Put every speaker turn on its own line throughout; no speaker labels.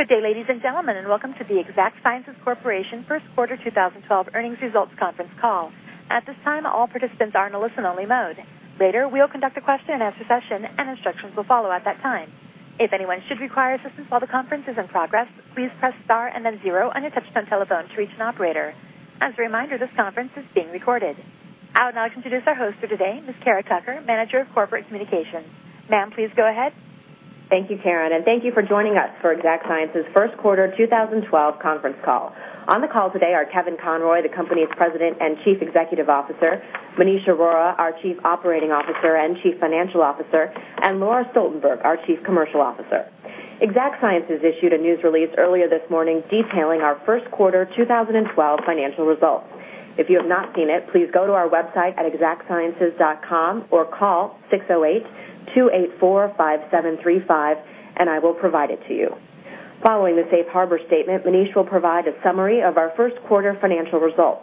Good day, ladies and gentlemen, and welcome to the Exact Sciences Corporation first quarter 2012 Earnings Results Conference Call. At this time, all participants are in a listen-only mode. Later, we'll conduct a question-and-answer session, and instructions will follow at that time. If anyone should require assistance while the conference is in progress, please press star and then zero on your touch-tone telephone to reach an operator. As a reminder, this conference is being recorded. I would now like to introduce our host for today, Ms. Cara Tucker, Manager of Corporate Communications. Ma'am, please go ahead.
Thank you, Karen, and thank you for joining us for Exact Sciences first quarter 2012 conference call. On the call today are Kevin Conroy, the company's President and Chief Executive Officer, Maneesh Arora, our Chief Operating Officer and Chief Financial Officer, and Laura Stoltenberg, our Chief Commercial Officer. Exact Sciences issued a news release earlier this morning detailing our first quarter 2012 financial results. If you have not seen it, please go to our website at exactsciences.com or call 608-284-5735, and I will provide it to you. Following the Safe Harbor statement, Maneesh will provide a summary of our first quarter financial results.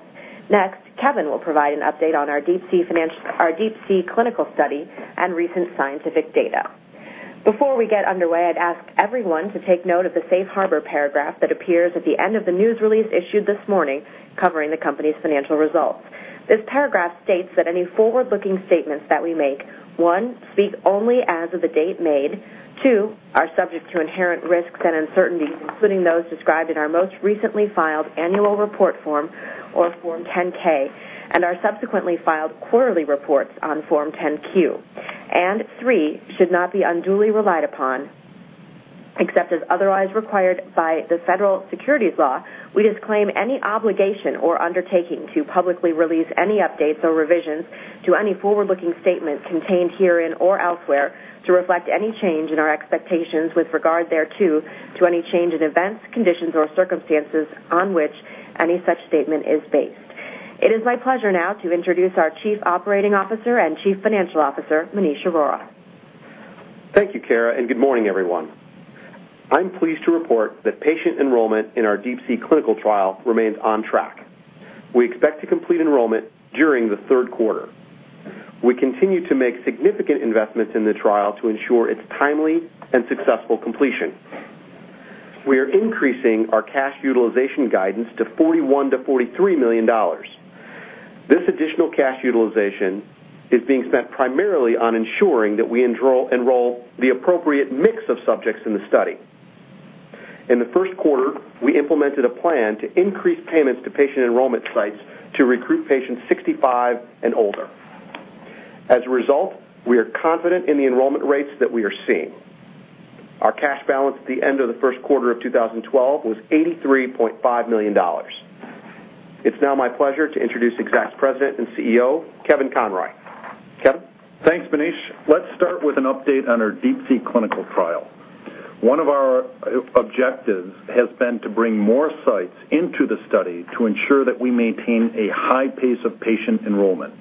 Next, Kevin will provide an update on our DeeP-C clinical study and recent scientific data. Before we get underway, I'd ask everyone to take note of the safe harbor paragraph that appears at the end of the news release issued this morning covering the company's financial results. This paragraph states that any forward-looking statements that we make, one, speak only as of the date made, two, are subject to inherent risks and uncertainties, including those described in our most recently filed annual report form, or Form 10-K, and our subsequently filed quarterly reports on Form 10-Q, and three, should not be unduly relied upon except as otherwise required by the federal securities law. We disclaim any obligation or undertaking to publicly release any updates or revisions to any forward-looking statement contained herein or elsewhere to reflect any change in our expectations with regard thereto, to any change in events, conditions, or circumstances on which any such statement is based. It is my pleasure now to introduce our Chief Operating Officer and Chief Financial Officer, Maneesh Arora.
Thank you, Karen, and good morning, everyone. I'm pleased to report that patient enrollment in our DeeP-C clinical trial remains on track. We expect to complete enrollment during the third quarter. We continue to make significant investments in the trial to ensure its timely and successful completion. We are increasing our cash utilization guidance to $41-$43 million. This additional cash utilization is being spent primarily on ensuring that we enroll the appropriate mix of subjects in the study. In the first quarter, we implemented a plan to increase payments to patient enrollment sites to recruit patients 65 and older. As a result, we are confident in the enrollment rates that we are seeing. Our cash balance at the end of the first quarter of 2012 was $83.5 million. It's now my pleasure to introduce Exact's President and CEO, Kevin Conroy. Kevin?
Thanks, Maneesh. Let's start with an update on our DeeP-C clinical trial. One of our objectives has been to bring more sites into the study to ensure that we maintain a high pace of patient enrollment.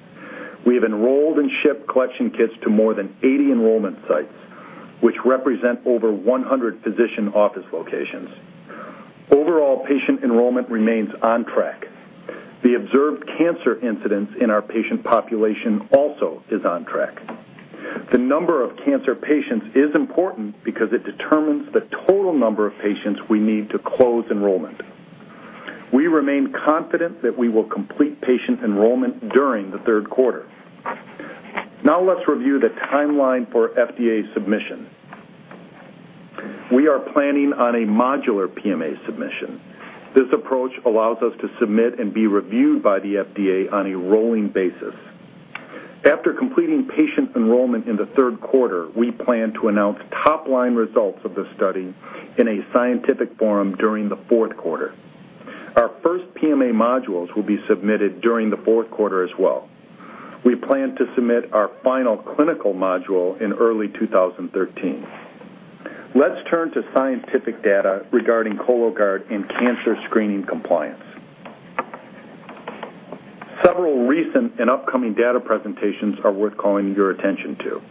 We have enrolled and shipped collection kits to more than 80 enrollment sites, which represent over 100 physician office locations. Overall, patient enrollment remains on track. The observed cancer incidence in our patient population also is on track. The number of cancer patients is important because it determines the total number of patients we need to close enrollment. We remain confident that we will complete patient enrollment during the third quarter. Now, let's review the timeline for FDA submission. We are planning on a modular PMA submission. This approach allows us to submit and be reviewed by the FDA on a rolling basis. After completing patient enrollment in the third quarter, we plan to announce top-line results of the study in a scientific forum during the fourth quarter. Our first PMA modules will be submitted during the fourth quarter as well. We plan to submit our final clinical module in early 2013. Let's turn to scientific data regarding Cologuard and cancer screening compliance. Several recent and upcoming data presentations are worth calling your attention to.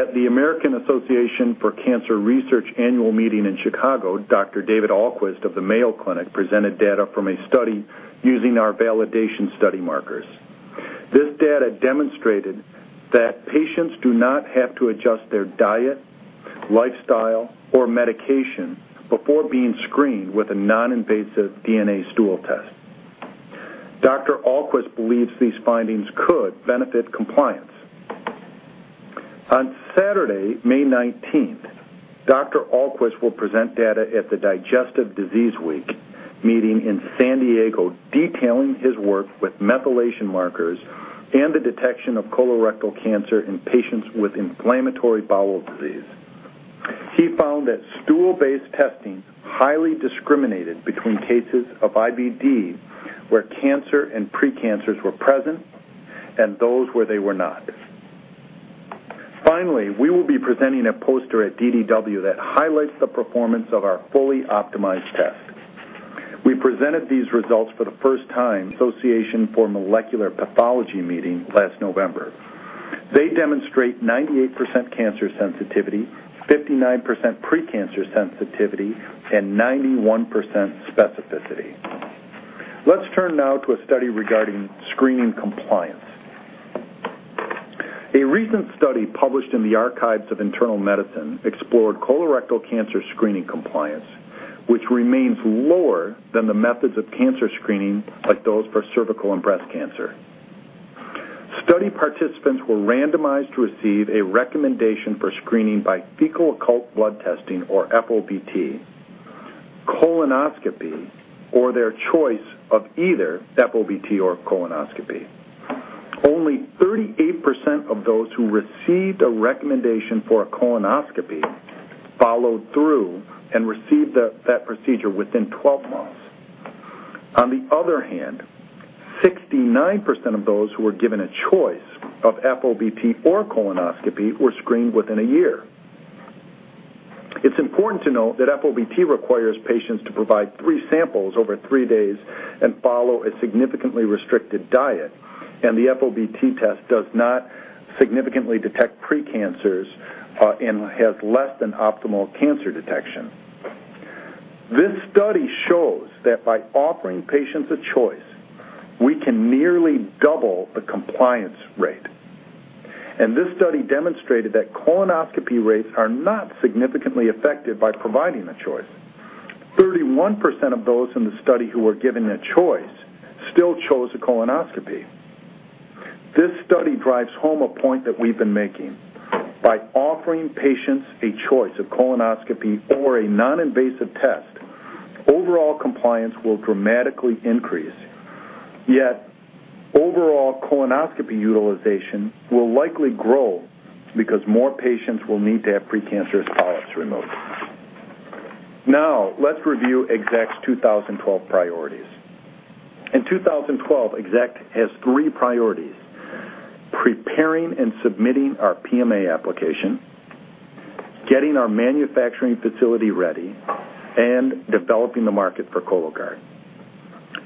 At the American Association for Cancer Research annual meeting in Chicago, Dr. David Ahlquist of the Mayo Clinic presented data from a study using our validation study markers. This data demonstrated that patients do not have to adjust their diet, lifestyle, or medication before being screened with a non-invasive DNA stool test. Dr. Ahlquist believes these findings could benefit compliance. On Saturday, May 19th, Dr. Ahlquist will present data at the Digestive Disease Week meeting in San Diego, detailing his work with methylation markers and the detection of colorectal cancer in patients with inflammatory bowel disease. He found that stool-based testing highly discriminated between cases of IBD where cancer and precancers were present and those where they were not. Finally, we will be presenting a poster at DDW that highlights the performance of our fully optimized test. We presented these results for the first time at the Association for Molecular Pathology meeting last November. They demonstrate 98% cancer sensitivity, 59% precancer sensitivity, and 91% specificity. Let's turn now to a study regarding screening compliance. A recent study published in the Archives of Internal Medicine explored colorectal cancer screening compliance, which remains lower than the methods of cancer screening like those for cervical and breast cancer. Study participants were randomized to receive a recommendation for screening by fecal occult blood testing, or FOBT, colonoscopy, or their choice of either FOBT or colonoscopy. Only 38% of those who received a recommendation for a colonoscopy followed through and received that procedure within 12 months. On the other hand, 69% of those who were given a choice of FOBT or colonoscopy were screened within a year. It's important to note that FOBT requires patients to provide three samples over three days and follow a significantly restricted diet, and the FOBT test does not significantly detect precancers and has less than optimal cancer detection. This study shows that by offering patients a choice, we can nearly double the compliance rate. This study demonstrated that colonoscopy rates are not significantly affected by providing a choice. 31% of those in the study who were given a choice still chose a colonoscopy. This study drives home a point that we've been making. By offering patients a choice of colonoscopy or a non-invasive test, overall compliance will dramatically increase. Yet, overall colonoscopy utilization will likely grow because more patients will need to have precancerous polyps removed. Now, let's review Exact's 2012 priorities. In 2012, Exact has three priorities: preparing and submitting our PMA application, getting our manufacturing facility ready, and developing the market for Cologuard.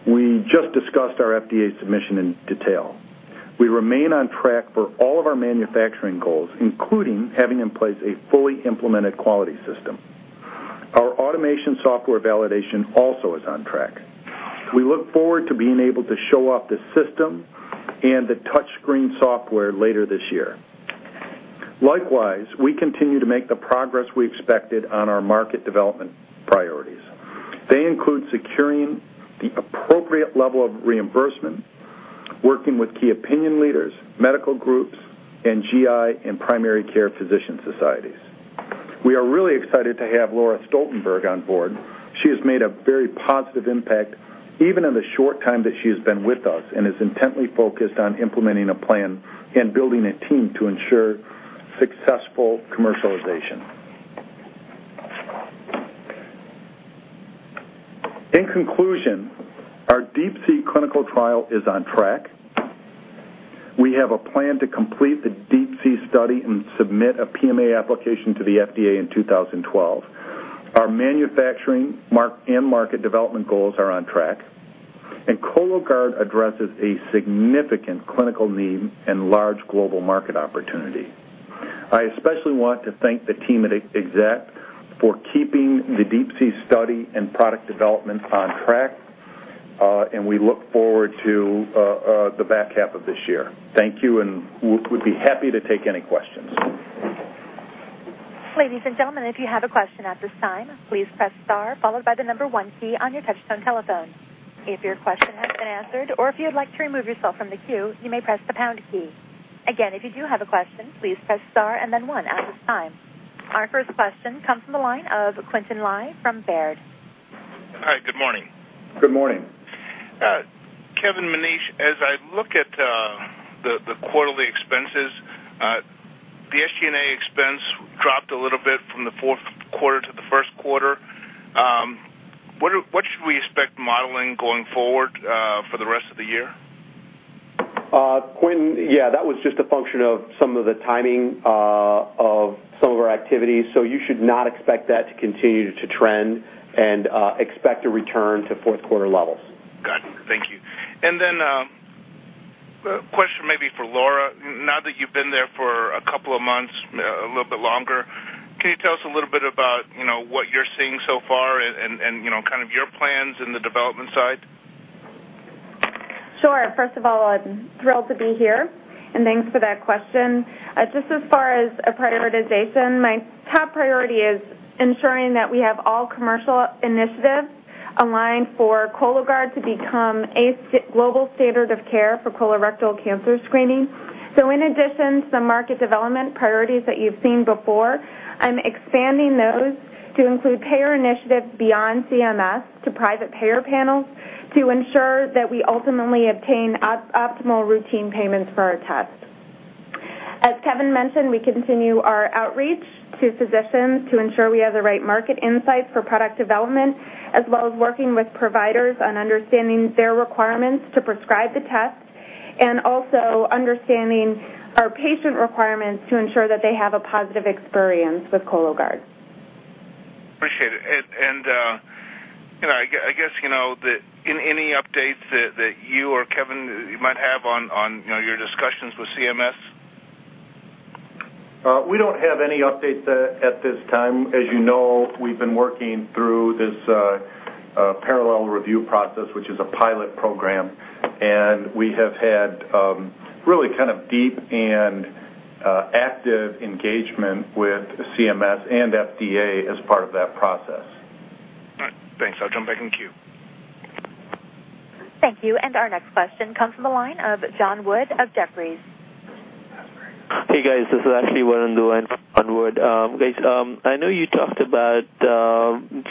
We just discussed our FDA submission in detail. We remain on track for all of our manufacturing goals, including having in place a fully implemented quality system. Our automation software validation also is on track. We look forward to being able to show off the system and the touchscreen software later this year. Likewise, we continue to make the progress we expected on our market development priorities. They include securing the appropriate level of reimbursement, working with key opinion leaders, medical groups, and GI and primary care physician societies. We are really excited to have Laura Stoltenberg on board. She has made a very positive impact even in the short time that she has been with us and is intently focused on implementing a plan and building a team to ensure successful commercialization. In conclusion, our DeeP-C clinical trial is on track. We have a plan to complete the DeeP-C study and submit a PMA application to the FDA in 2012. Our manufacturing and market development goals are on track, and Cologuard addresses a significant clinical need and large global market opportunity. I especially want to thank the team at Exact for keeping the DeeP-C study and product development on track, and we look forward to the back half of this year. Thank you, and we would be happy to take any questions.
Ladies and gentlemen, if you have a question at this time, please press star followed by the number one key on your touch-tone telephone. If your question has been answered or if you'd like to remove yourself from the queue, you may press the pound key. Again, if you do have a question, please press star and then one at this time. Our first question comes from the line of Quinton Lye from Baird. Hi, good morning.
Good morning. Kevin, Maneesh, as I look at the quarterly expenses, the SG&A expense dropped a little bit from the fourth quarter to the first quarter. What should we expect modeling going forward for the rest of the year? Quinton, yeah, that was just a function of some of the timing of some of our activities, so you should not expect that to continue to trend and expect a return to fourth quarter levels. Got it. Thank you. A question maybe for Laura. Now that you've been there for a couple of months, a little bit longer, can you tell us a little bit about what you're seeing so far and kind of your plans in the development side?
Sure. First of all, I'm thrilled to be here, and thanks for that question. Just as far as prioritization, my top priority is ensuring that we have all commercial initiatives aligned for Cologuard to become a global standard of care for colorectal cancer screening. In addition to the market development priorities that you've seen before, I'm expanding those to include payer initiatives beyond CMS to private payer panels to ensure that we ultimately obtain optimal routine payments for our tests. As Kevin mentioned, we continue our outreach to physicians to ensure we have the right market insights for product development, as well as working with providers on understanding their requirements to prescribe the test and also understanding our patient requirements to ensure that they have a positive experience with Cologuard. Appreciate it. I guess in any updates that you or Kevin might have on your discussions with CMS?
We don't have any updates at this time. As you know, we've been working through this parallel review process, which is a pilot program, and we have had really kind of deep and active engagement with CMS and FDA as part of that process. Thanks. I'll jump back in queue.
Thank you. Our next question comes from the line of John Wood of Jefferies. Hey, guys. This is actually Warren Doyle, John Wood. Guys, I know you talked about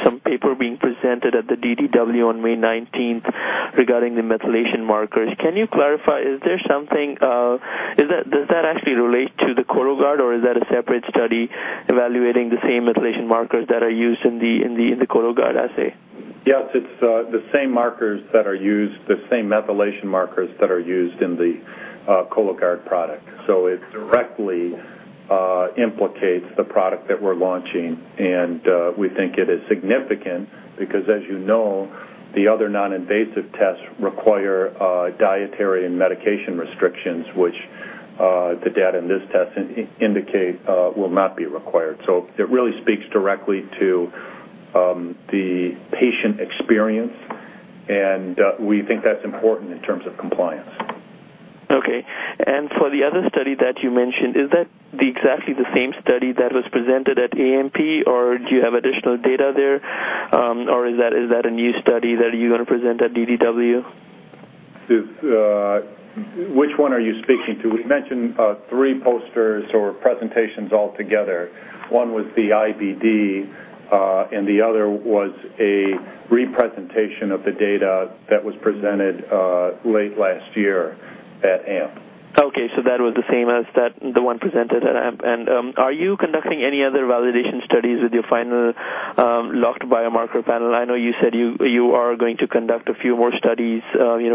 some paper being presented at the DDW on May 19 regarding the methylation markers. Can you clarify, is there something, does that actually relate to the Cologuard, or is that a separate study evaluating the same methylation markers that are used in the Cologuard assay?
Yes, it's the same markers that are used, the same methylation markers that are used in the Cologuard product. It directly implicates the product that we're launching, and we think it is significant because, as you know, the other non-invasive tests require dietary and medication restrictions, which the data in this test indicate will not be required. It really speaks directly to the patient experience, and we think that's important in terms of compliance. Okay. For the other study that you mentioned, is that exactly the same study that was presented at AMP, or do you have additional data there, or is that a new study that you're going to present at DDW? Which one are you speaking to? We mentioned three posters or presentations altogether. One was the IBD, and the other was a re-presentation of the data that was presented late last year at AMP. Okay. That was the same as the one presented at AMP. Are you conducting any other validation studies with your final locked biomarker panel? I know you said you are going to conduct a few more studies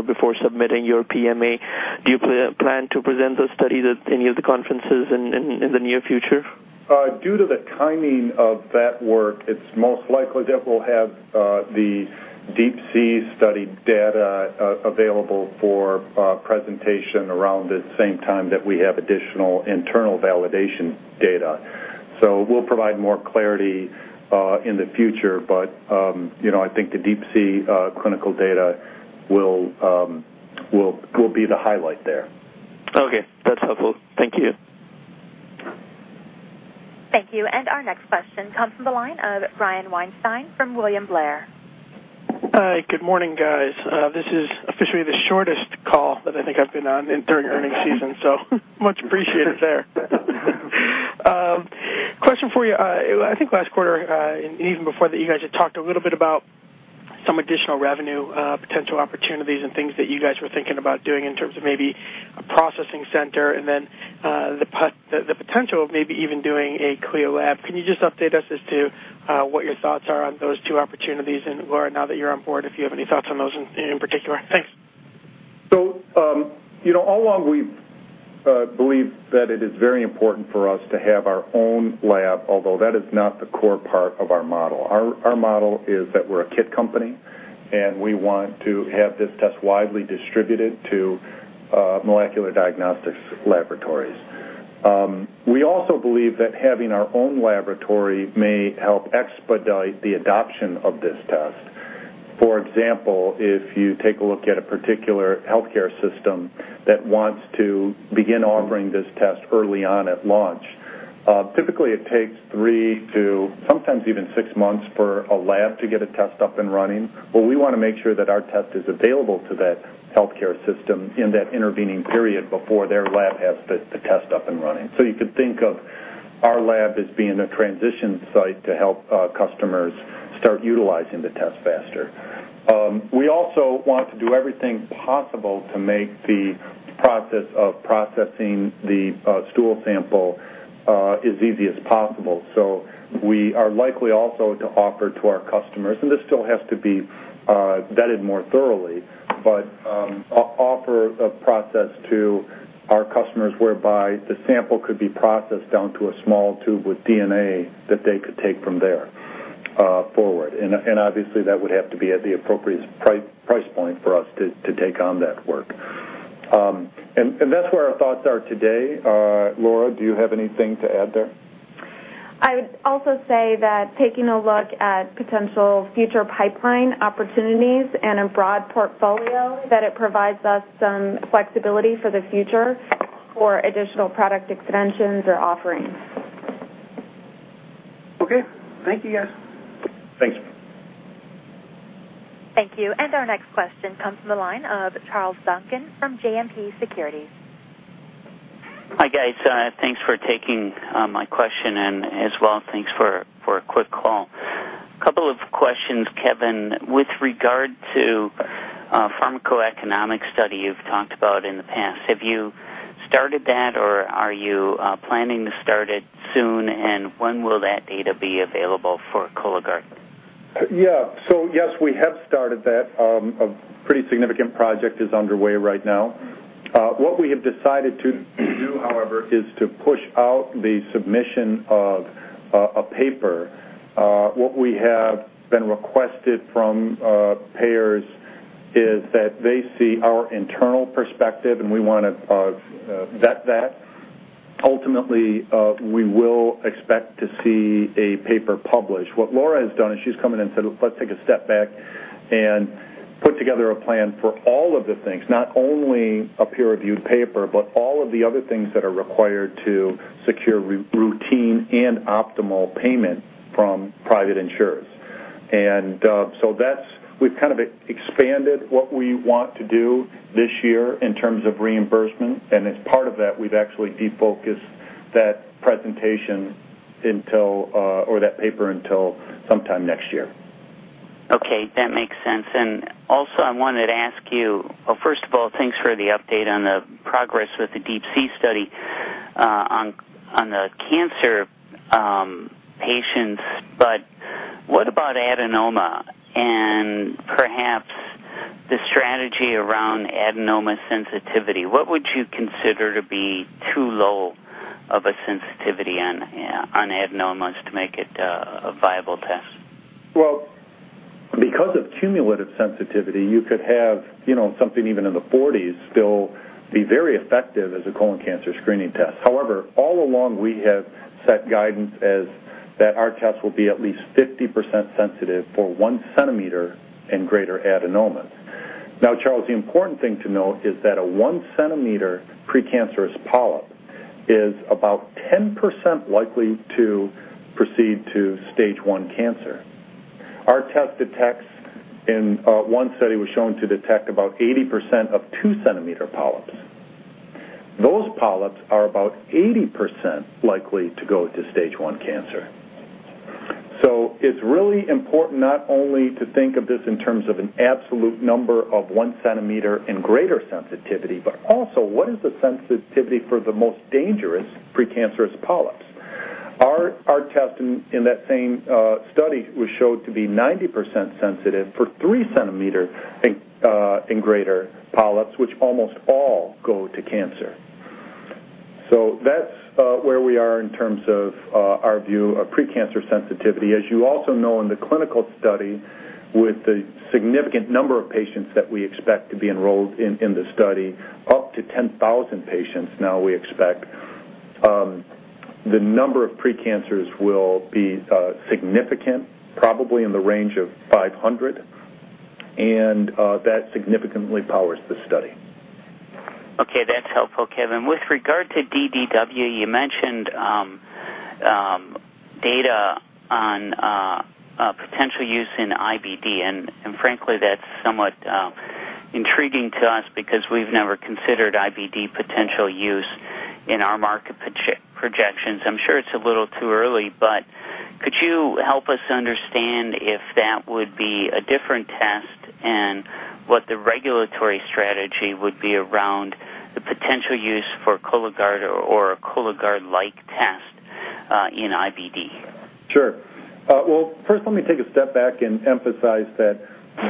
before submitting your PMA. Do you plan to present those studies at any of the conferences in the near future? Due to the timing of that work, it's most likely that we'll have the DeeP-C study data available for presentation around the same time that we have additional internal validation data. We will provide more clarity in the future, but I think the DeeP-C clinical data will be the highlight there. Okay. That's helpful. Thank you.
Thank you. Our next question comes from the line of Brian Weinstein from William Blair.
Hi, good morning, guys. This is officially the shortest call that I think I've been on during earnings season, so much appreciated there. Question for you. I think last quarter, even before that, you guys had talked a little bit about some additional revenue, potential opportunities, and things that you guys were thinking about doing in terms of maybe a processing center and then the potential of maybe even doing a CLIA lab. Can you just update us as to what your thoughts are on those two opportunities and where now that you're on board, if you have any thoughts on those in particular? Thanks.
All along, we believe that it is very important for us to have our own lab, although that is not the core part of our model. Our model is that we're a kit company, and we want to have this test widely distributed to molecular diagnostics laboratories. We also believe that having our own laboratory may help expedite the adoption of this test. For example, if you take a look at a particular healthcare system that wants to begin offering this test early on at launch, typically it takes three to sometimes even six months for a lab to get a test up and running. We want to make sure that our test is available to that healthcare system in that intervening period before their lab has the test up and running. You could think of our lab as being a transition site to help customers start utilizing the test faster. We also want to do everything possible to make the process of processing the stool sample as easy as possible. We are likely also to offer to our customers, and this still has to be vetted more thoroughly, but offer a process to our customers whereby the sample could be processed down to a small tube with DNA that they could take from there forward. Obviously, that would have to be at the appropriate price point for us to take on that work. That is where our thoughts are today. Laura, do you have anything to add there?
I would also say that taking a look at potential future pipeline opportunities and a broad portfolio, that it provides us some flexibility for the future for additional product extensions or offerings.
Okay. Thank you, guys.
Thanks.
Thank you. Our next question comes from the line of Charles Duncan from JMP Securities.
Hi, guys. Thanks for taking my question, and as well, thanks for a quick call. A couple of questions, Kevin. With regard to pharmacoeconomics study you've talked about in the past, have you started that, or are you planning to start it soon, and when will that data be available for Cologuard?
Yeah. Yes, we have started that. A pretty significant project is underway right now. What we have decided to do, however, is to push out the submission of a paper. What we have been requested from payers is that they see our internal perspective, and we want to vet that. Ultimately, we will expect to see a paper published. What Laura has done is she's come in and said, "Let's take a step back and put together a plan for all of the things, not only a peer-reviewed paper, but all of the other things that are required to secure routine and optimal payment from private insurers." We have kind of expanded what we want to do this year in terms of reimbursement, and as part of that, we have actually defocused that presentation or that paper until sometime next year.
Okay. That makes sense. Also, I wanted to ask you, first of all, thanks for the update on the progress with the DeeP-C study on the cancer patients, but what about adenoma and perhaps the strategy around adenoma sensitivity? What would you consider to be too low of a sensitivity on adenomas to make it a viable test?
Because of cumulative sensitivity, you could have something even in the 40s still be very effective as a colon cancer screening test. However, all along, we have set guidance as that our test will be at least 50% sensitive for one centimeter and greater adenomas. Now, Charles, the important thing to note is that a one centimeter precancerous polyp is about 10% likely to proceed to stage I cancer. Our test detects in one study was shown to detect about 80% of two centimeter polyps. Those polyps are about 80% likely to go to stage I cancer. It is really important not only to think of this in terms of an absolute number of one centimeter and greater sensitivity, but also what is the sensitivity for the most dangerous precancerous polyps? Our test in that same study was showed to be 90% sensitive for three centimeter and greater polyps, which almost all go to cancer. That is where we are in terms of our view of precancerous sensitivity. As you also know, in the clinical study with the significant number of patients that we expect to be enrolled in the study, up to 10,000 patients now we expect, the number of precancers will be significant, probably in the range of 500, and that significantly powers the study.
Okay. That's helpful, Kevin. With regard to DDW, you mentioned data on potential use in IBD, and frankly, that's somewhat intriguing to us because we've never considered IBD potential use in our market projections. I'm sure it's a little too early, but could you help us understand if that would be a different test and what the regulatory strategy would be around the potential use for Cologuard or a Cologuard-like test in IBD?
Sure. First, let me take a step back and emphasize that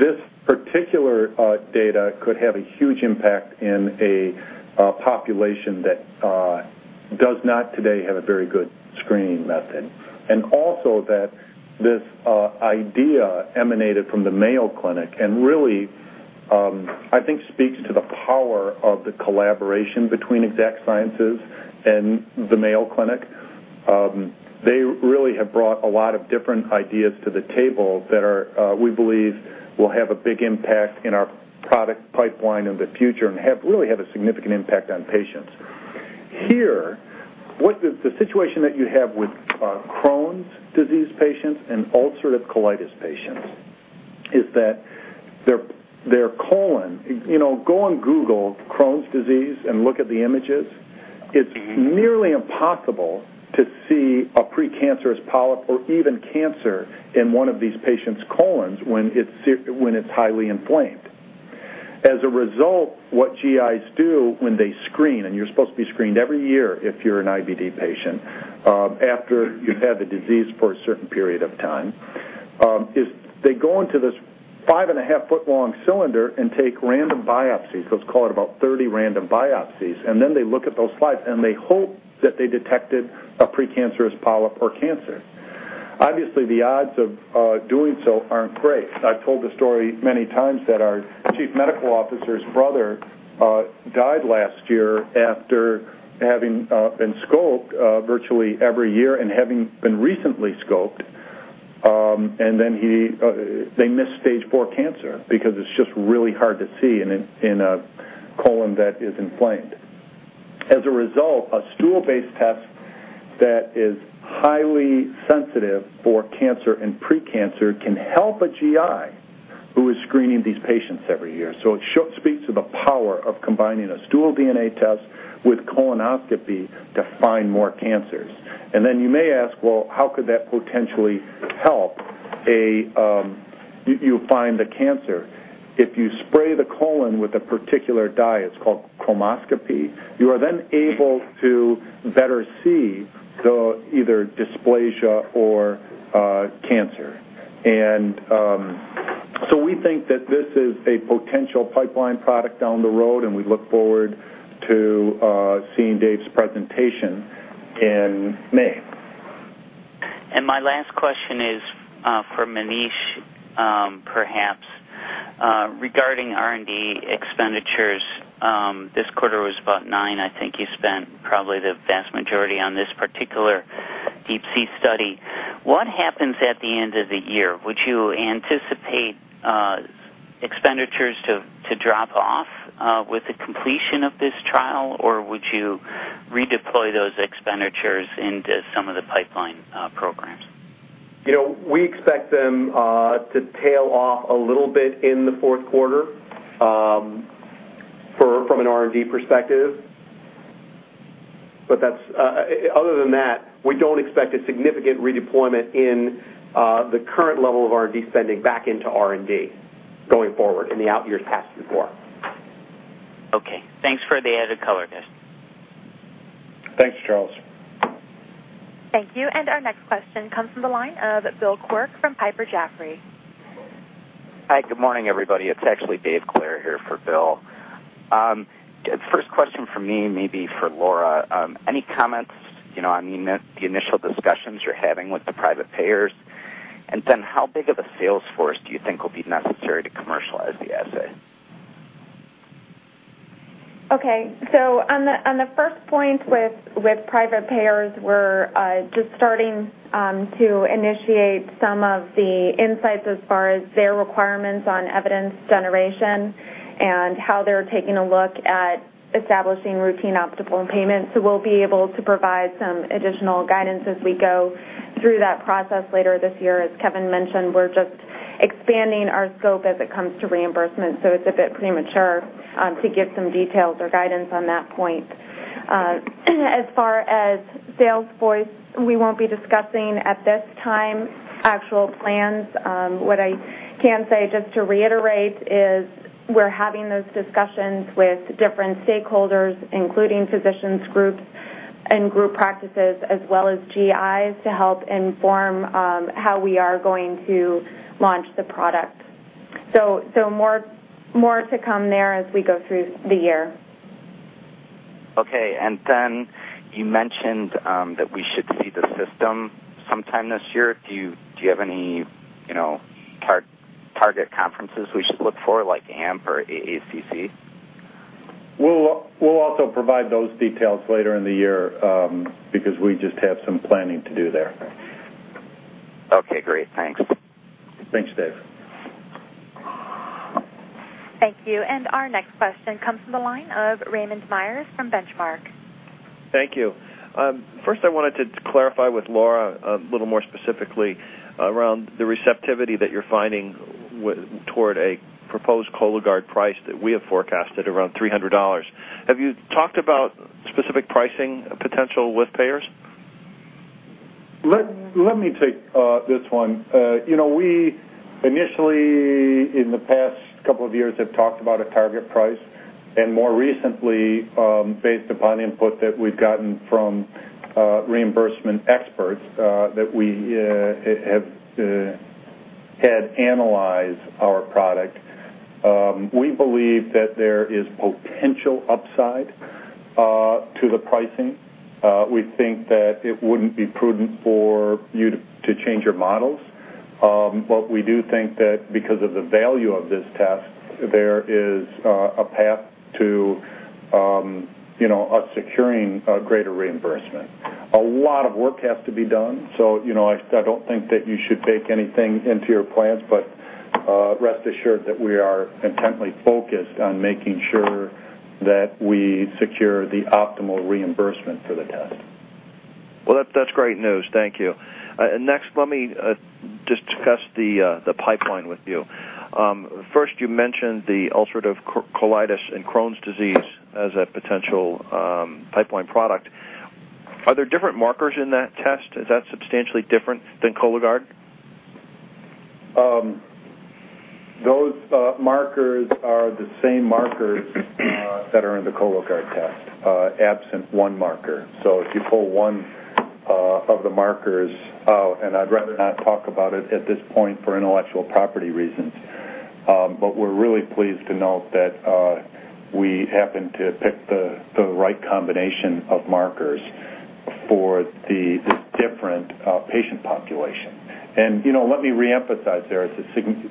this particular data could have a huge impact in a population that does not today have a very good screening method. Also, this idea emanated from the Mayo Clinic and really, I think, speaks to the power of the collaboration between Exact Sciences and the Mayo Clinic. They really have brought a lot of different ideas to the table that we believe will have a big impact in our product pipeline in the future and really have a significant impact on patients. Here, the situation that you have with Crohn's disease patients and ulcerative colitis patients is that their colon—go on Google, Crohn's disease, and look at the images—it's nearly impossible to see a precancerous polyp or even cancer in one of these patients' colons when it's highly inflamed. As a result, what GIs do when they screen—and you're supposed to be screened every year if you're an IBD patient after you've had the disease for a certain period of time—is they go into this five-and-a-half-foot-long cylinder and take random biopsies. Let's call it about 30 random biopsies, and then they look at those slides, and they hope that they detected a precancerous polyp or cancer. Obviously, the odds of doing so aren't great. I've told the story many times that our Chief Medical Officer's brother died last year after having been scoped virtually every year and having been recently scoped, and then they missed stage IV cancer because it's just really hard to see in a colon that is inflamed. As a result, a stool-based test that is highly sensitive for cancer and precancer can help a GI who is screening these patients every year. It speaks to the power of combining a stool DNA test with colonoscopy to find more cancers. You may ask, "How could that potentially help?" You will find the cancer if you spray the colon with a particular dye. It is called chromoscopy. You are then able to better see either dysplasia or cancer. We think that this is a potential pipeline product down the road, and we look forward to seeing Dave's presentation in May.
My last question is for Maneesh, perhaps. Regarding R&D expenditures, this quarter was about $9 million. I think you spent probably the vast majority on this particular DeeP-C study. What happens at the end of the year? Would you anticipate expenditures to drop off with the completion of this trial, or would you redeploy those expenditures into some of the pipeline programs?
We expect them to tail off a little bit in the fourth quarter from an R&D perspective, but other than that, we do not expect a significant redeployment in the current level of R&D spending back into R&D going forward in the years past before.
Okay. Thanks for the added color there.
Thanks, Charles.
Thank you. Our next question comes from the line of Bill Quirk from Piper Jaffray.
Hi, good morning, everybody. It's actually Dave Clair here for Bill. First question for me, maybe for Laura. Any comments on the initial discussions you're having with the private payers? And then how big of a sales force do you think will be necessary to commercialize the assay?
Okay. On the first point with private payers, we're just starting to initiate some of the insights as far as their requirements on evidence generation and how they're taking a look at establishing routine optimal payments. We'll be able to provide some additional guidance as we go through that process later this year. As Kevin mentioned, we're just expanding our scope as it comes to reimbursement, so it's a bit premature to give some details or guidance on that point. As far as sales force, we won't be discussing at this time actual plans. What I can say just to reiterate is we're having those discussions with different stakeholders, including physicians' groups and group practices, as well as GIs to help inform how we are going to launch the product. More to come there as we go through the year.
Okay. You mentioned that we should see the system sometime this year. Do you have any target conferences we should look for, like AMP or AACC?
We'll also provide those details later in the year because we just have some planning to do there.
Okay. Great. Thanks.
Thanks, Dave.
Thank you. Our next question comes from the line of Raymond Myers from Benchmark.
Thank you. First, I wanted to clarify with Laura a little more specifically around the receptivity that you're finding toward a proposed Cologuard price that we have forecasted around $300. Have you talked about specific pricing potential with payers?
Let me take this one. We initially, in the past couple of years, have talked about a target price, and more recently, based upon input that we've gotten from reimbursement experts that we have had analyze our product, we believe that there is potential upside to the pricing. We think that it wouldn't be prudent for you to change your models, but we do think that because of the value of this test, there is a path to us securing greater reimbursement. A lot of work has to be done, so I don't think that you should bake anything into your plans, but rest assured that we are intently focused on making sure that we secure the optimal reimbursement for the test.
That's great news. Thank you. Next, let me discuss the pipeline with you. First, you mentioned the ulcerative colitis and Crohn's disease as a potential pipeline product. Are there different markers in that test? Is that substantially different than Cologuard?
Those markers are the same markers that are in the Cologuard test, absent one marker. If you pull one of the markers out, and I'd rather not talk about it at this point for intellectual property reasons, we're really pleased to note that we happen to pick the right combination of markers for the different patient population. Let me reemphasize there,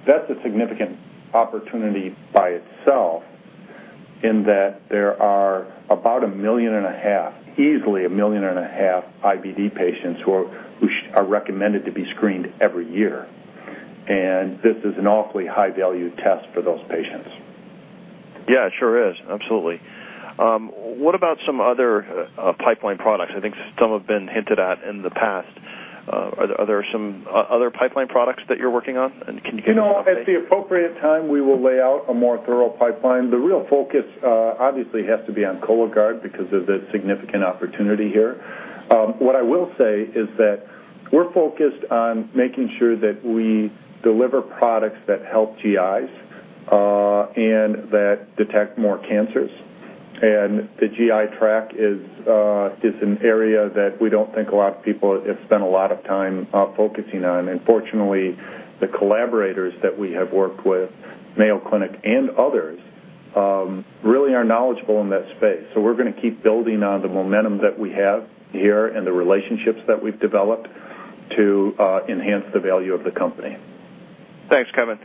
that's a significant opportunity by itself in that there are about 1.5 million, easily 1.5 million IBD patients who are recommended to be screened every year, and this is an awfully high-value test for those patients.
Yeah, it sure is. Absolutely. What about some other pipeline products? I think some have been hinted at in the past. Are there some other pipeline products that you're working on? Can you give us a look at that?
At the appropriate time, we will lay out a more thorough pipeline. The real focus obviously has to be on Cologuard because of the significant opportunity here. What I will say is that we're focused on making sure that we deliver products that help GIs and that detect more cancers, and the GI tract is an area that we don't think a lot of people have spent a lot of time focusing on. Fortunately, the collaborators that we have worked with, Mayo Clinic and others, really are knowledgeable in that space. We are going to keep building on the momentum that we have here and the relationships that we've developed to enhance the value of the company.
Thanks, Kevin.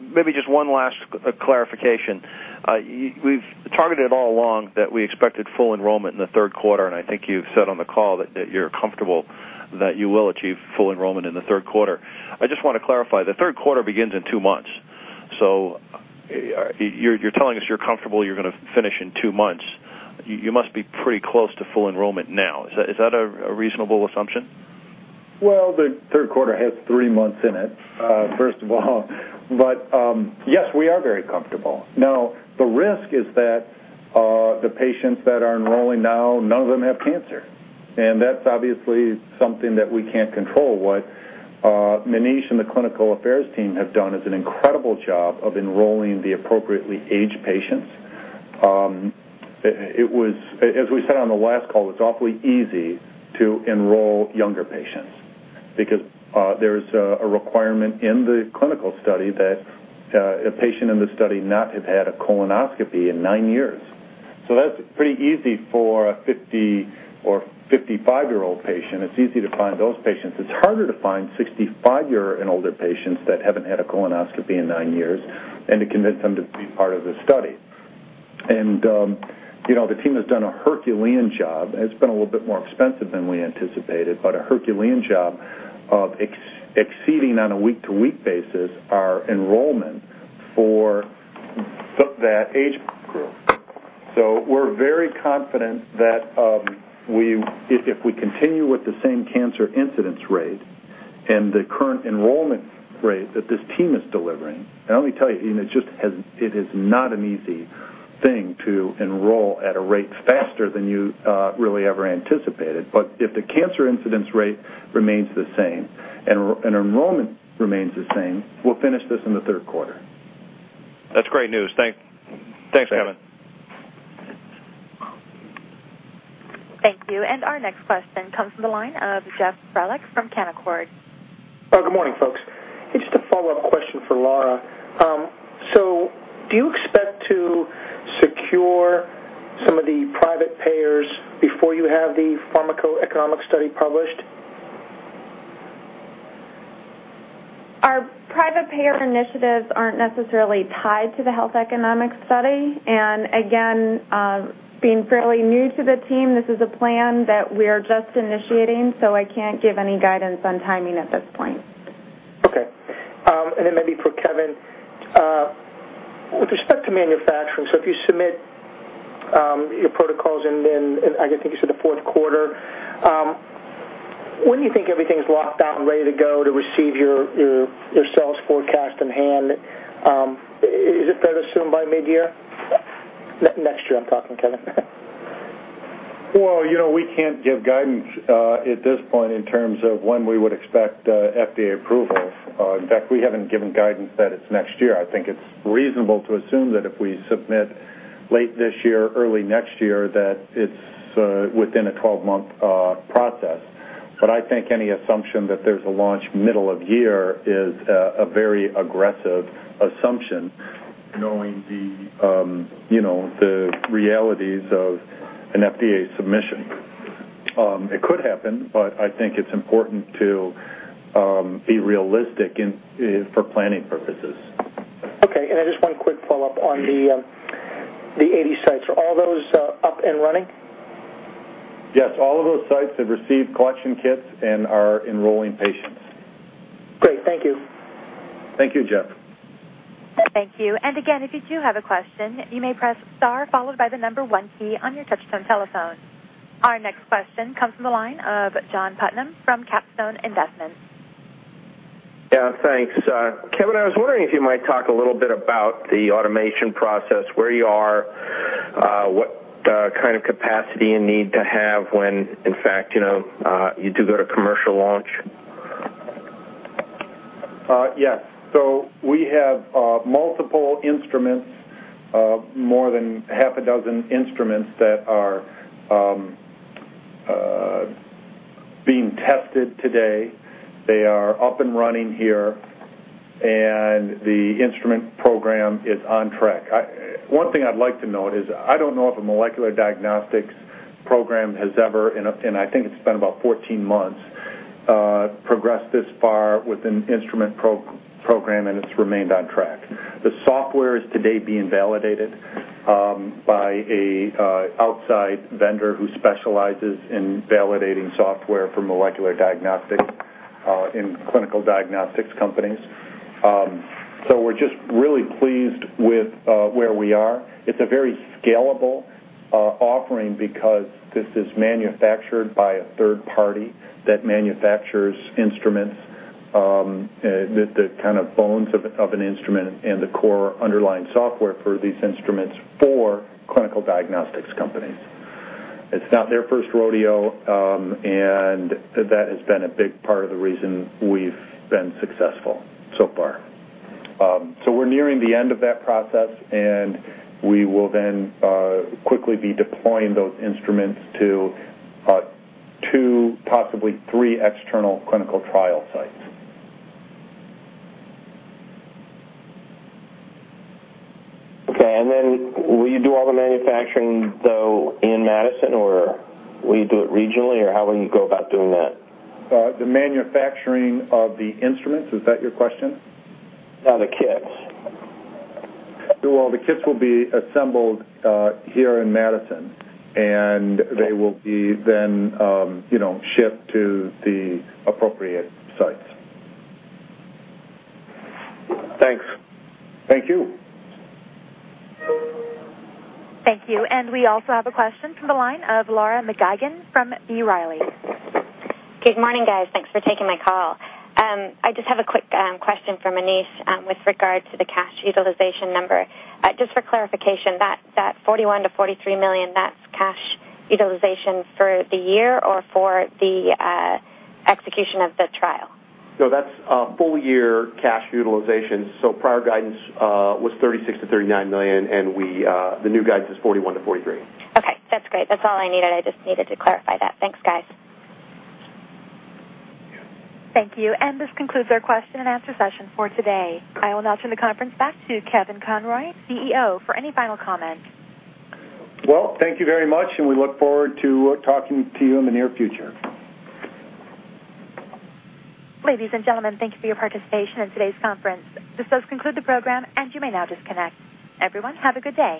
Maybe just one last clarification. We've targeted it all along that we expected full enrollment in the third quarter, and I think you've said on the call that you're comfortable that you will achieve full enrollment in the third quarter. I just want to clarify. The third quarter begins in two months. So you're telling us you're comfortable you're going to finish in two months. You must be pretty close to full enrollment now. Is that a reasonable assumption?
The third quarter has three months in it, first of all, but yes, we are very comfortable. Now, the risk is that the patients that are enrolling now, none of them have cancer, and that's obviously something that we can't control. What Megan Sch and the clinical affairs team have done is an incredible job of enrolling the appropriately aged patients. As we said on the last call, it's awfully easy to enroll younger patients because there's a requirement in the clinical study that a patient in the study not have had a colonoscopy in nine years. That's pretty easy for a 50 or 55-year-old patient. It's easy to find those patients. It's harder to find 65-year-old patients that haven't had a colonoscopy in nine years and to convince them to be part of the study. The team has done a Herculean job. It's been a little bit more expensive than we anticipated, but a Herculean job of exceeding on a week-to-week basis our enrollment for that age group. We are very confident that if we continue with the same cancer incidence rate and the current enrollment rate that this team is delivering, and let me tell you, it is not an easy thing to enroll at a rate faster than you really ever anticipated, but if the cancer incidence rate remains the same and enrollment remains the same, we'll finish this in the third quarter.
That's great news. Thanks, Kevin.
Thank you. Our next question comes from the line of Jeff Frelick from Canaccord.
Good morning, folks. Just a follow-up question for Laura. Do you expect to secure some of the private payers before you have the pharmacoeconomic study published?
Our private payer initiatives aren't necessarily tied to the health economic study. Again, being fairly new to the team, this is a plan that we are just initiating, so I can't give any guidance on timing at this point.
Okay. And then maybe for Kevin, with respect to manufacturing, so if you submit your protocols in, I think you said the fourth quarter, when do you think everything's locked down, ready to go to receive your sales forecast in hand? Is it fair to assume by mid-year? Next year, I'm talking, Kevin.
We can't give guidance at this point in terms of when we would expect FDA approval. In fact, we haven't given guidance that it's next year. I think it's reasonable to assume that if we submit late this year, early next year, that it's within a 12-month process. I think any assumption that there's a launch middle of year is a very aggressive assumption knowing the realities of an FDA submission. It could happen, but I think it's important to be realistic for planning purposes.
Okay. Just one quick follow-up on the 80 sites. Are all those up and running?
Yes. All of those sites have received collection kits and are enrolling patients.
Great. Thank you.
Thank you, Jeff.
Thank you. If you do have a question, you may press star followed by the number one key on your touchstone telephone. Our next question comes from the line of John Putnam from CapStone Investments.
Yeah. Thanks. Kevin, I was wondering if you might talk a little bit about the automation process, where you are, what kind of capacity you need to have when, in fact, you do go to commercial launch.
Yes. We have multiple instruments, more than half a dozen instruments that are being tested today. They are up and running here, and the instrument program is on track. One thing I'd like to note is I don't know if a molecular diagnostics program has ever, and I think it's been about 14 months, progressed this far with an instrument program, and it's remained on track. The software is today being validated by an outside vendor who specializes in validating software for molecular diagnostics in clinical diagnostics companies. We're just really pleased with where we are. It's a very scalable offering because this is manufactured by a third party that manufactures instruments, the kind of bones of an instrument and the core underlying software for these instruments for clinical diagnostics companies. It's not their first rodeo, and that has been a big part of the reason we've been successful so far. We're nearing the end of that process, and we will then quickly be deploying those instruments to two, possibly three external clinical trial sites.
Okay. And then will you do all the manufacturing, though, in Madison, or will you do it regionally, or how will you go about doing that?
The manufacturing of the instruments, is that your question?
Yeah, the kits.
The kits will be assembled here in Madison, and they will be then shipped to the appropriate sites.
Thanks.
Thank you.
Thank you. We also have a question from the line of Laura McGuigan from B. Riley.
Good morning, guys. Thanks for taking my call. I just have a quick question for Maneesh with regard to the cash utilization number. Just for clarification, that $41 million-$43 million, that's cash utilization for the year or for the execution of the trial?
No, that's full-year cash utilization. So prior guidance was $36 million-$39 million, and the new guidance is $41 million-$43 million.
Okay. That's great. That's all I needed. I just needed to clarify that. Thanks, guys.
Thank you. This concludes our question and answer session for today. I will now turn the conference back to Kevin Conroy, CEO, for any final comment.
Thank you very much, and we look forward to talking to you in the near future.
Ladies and gentlemen, thank you for your participation in today's conference. This does conclude the program, and you may now disconnect. Everyone, have a good day.